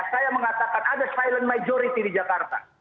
saya mengatakan ada silent majority di jakarta